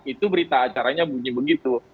itu berita acaranya bunyi begitu